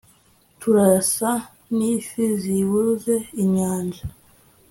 turasa n'ifi zibuze inyanja